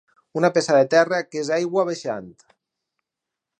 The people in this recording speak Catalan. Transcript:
Una peça de terra que és aigua baixant.